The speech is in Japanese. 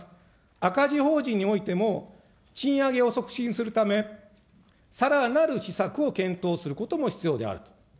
赤字法人においても、賃上げを促進するため、さらなる施策を検討することも必要であると。